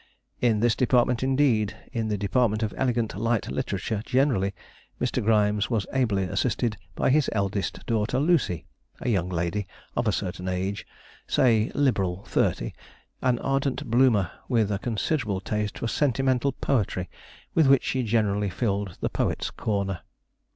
In this department, indeed, in the department of elegant light literature generally, Mr. Grimes was ably assisted by his eldest daughter, Lucy, a young lady of a certain age say liberal thirty an ardent Bloomer with a considerable taste for sentimental poetry, with which she generally filled the poet's corner.